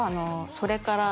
「それから」